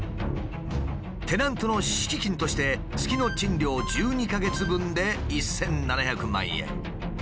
テナントの敷金として月の賃料１２か月分で１，７００万円。